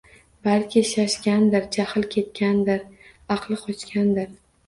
Balki, shashgandir, jahl kelganda aqli qochgandir